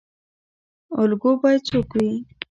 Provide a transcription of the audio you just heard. الګو باید څوک وي؟